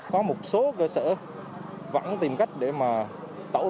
có một số cơ sở vẫn tìm cách để mà tẩu tìm